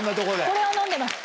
これを飲んでます。